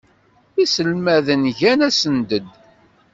Iselmaden gan asunded.